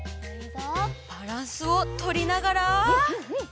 バランスをとりながら。